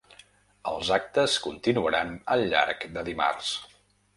Els actes continuaran al llarg de dimarts.